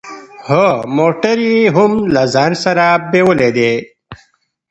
هو موټر يې هم له ځان سره بيولی دی.